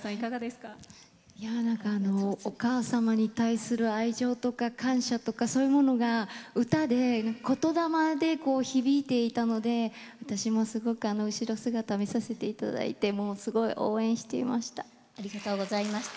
お母様に対する愛情とか感謝とか、そういうものが歌で言霊で響いていたので私もすごく後ろ姿見させていただいてありがとうございました。